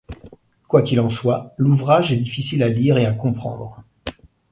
Quoi qu'il en soit, l'ouvrage est difficile à lire et à comprendre.